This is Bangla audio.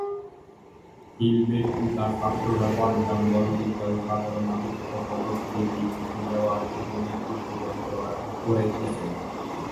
হিলবের্ট ও তার ছাত্ররা কোয়ান্টাম বলবিজ্ঞান ও সাধারণ আপেক্ষিকতা তত্ত্বের ভিত্তিতে ব্যবহৃত গণিত উদ্ভাবন করে গেছেন।